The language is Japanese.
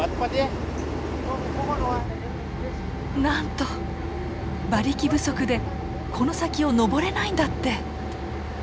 なんと馬力不足でこの先を登れないんだって。